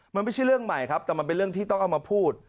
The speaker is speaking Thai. มันไม่ใช่เรื่องใหม่ครับแต่มันเป็นเรื่องที่ต้องเอามาพูด